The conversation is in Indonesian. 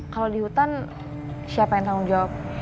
kalau di hutan siapa yang tanggung jawab